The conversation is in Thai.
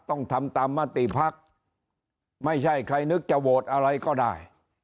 ต้องทำตามมติภักดิ์ไม่ใช่ใครนึกจะโหวตอะไรก็ได้